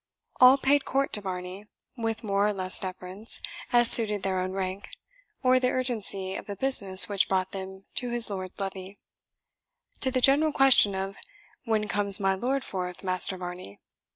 All paid court to Varney, with more or less deference, as suited their own rank, or the urgency of the business which brought them to his lord's levee. To the general question of, "When comes my lord forth, Master Varney?"